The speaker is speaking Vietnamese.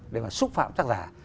để mà xúc phạm tác giả